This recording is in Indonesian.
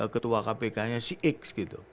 ketua kpk nya si x gitu